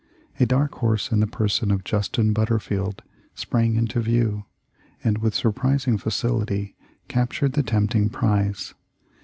A dark horse in the person of Justin Butterfield sprang into view, and with surprising facility cap tured the tempting prize.